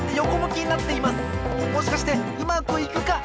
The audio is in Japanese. もしかしてうまくいくか！？